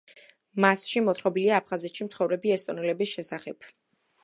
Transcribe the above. მასში მოთხრობილია აფხაზეთში მცხოვრები ესტონელების შესახებ.